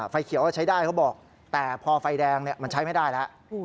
ไฟเขียวใช้ได้เขาบอกแต่พอไฟแดงมันใช้ไม่ได้แล้ว